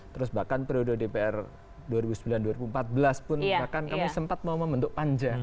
terus bahkan periode dpr dua ribu sembilan dua ribu empat belas pun bahkan kami sempat mau membentuk panja